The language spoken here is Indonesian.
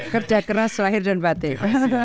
kerja keras lahir dan batik